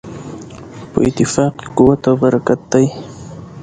په اتفاق کې قوت او برکت دی.